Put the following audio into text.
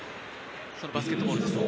そのバスケットボールです。